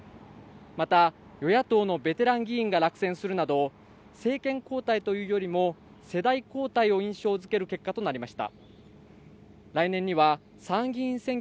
また与野党のベテラン議員が落選するなど政権交代というよりも世代交代を印象づける結果となりました